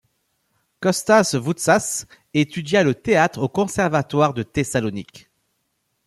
Kóstas Voutsás étudia le théâtre au conservatoire de Thessalonique.